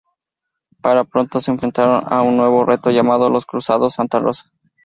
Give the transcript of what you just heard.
Pero pronto se enfrentan a un nuevo reto llamado los Cruzados Santa Rosa.